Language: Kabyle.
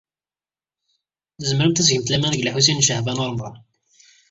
Tzemremt ad tgemt laman deg Lḥusin n Caɛban u Ṛemḍan.